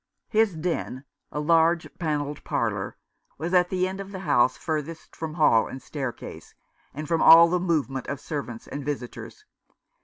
His den, a large panelled parlour, was at the end of the house furthest from hall and staircase, and from all the movement of servants and visitors.